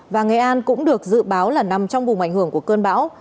và nghệ an cũng được dự báo là nằm trong vùng ảnh hưởng của cơn bão